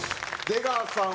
出川さん